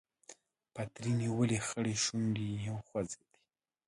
پتري نيولې خړې شونډې يې وخوځېدې.